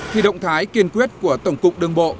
thì động thái kiên quyết của tổng cục đường bộ